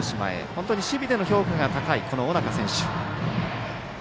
本当に守備の評価が高い尾中選手。